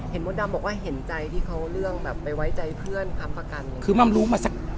เห็นมดดำบอกว่า